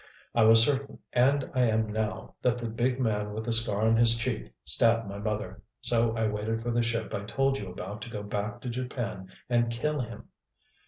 I was certain, and I am now, that the big man with the scar on his cheek stabbed my mother, so I waited for the ship I told you about to go back to Japan and kill him.